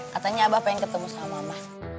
katanya abah pengen ketemu sama mbak